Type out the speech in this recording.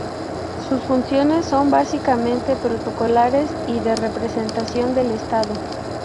Sus funciones son básicamente protocolares y de representación del Estado.